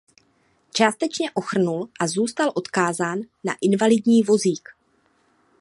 Částečně ochrnul a zůstal odkázán na invalidní vozík.